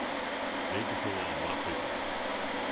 免許証はもらっておいて。